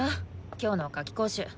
今日の夏期講習。